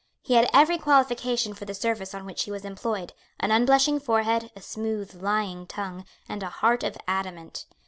He had every qualification for the service on which he was employed, an unblushing forehead, a smooth lying tongue, and a heart of adamant.